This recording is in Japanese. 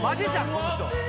この人。